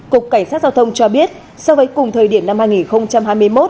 cục cảnh sát giao thông cho biết so với cùng thời điểm năm hai nghìn hai mươi một